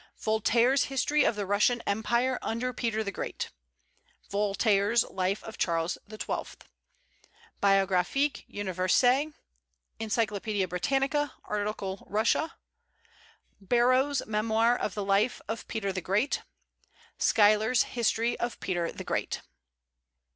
Voltaire's History of the Russian Empire under Peter the Great; Voltaire's Life of Charles XII.; Biographic Universelle; Encyclopaedia Britannica, article "Russia;" Barrow's Memoir of the Life of Peter the Great; Schuyler's History of Peter the Great.